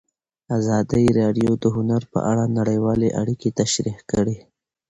ازادي راډیو د هنر په اړه نړیوالې اړیکې تشریح کړي.